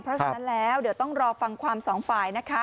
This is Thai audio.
เพราะฉะนั้นแล้วเดี๋ยวต้องรอฟังความสองฝ่ายนะคะ